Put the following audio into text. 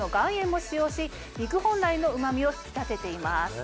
肉本来のうまみを引き立てています。